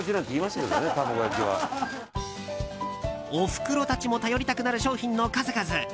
おふくろたちも頼りたくなる商品の数々。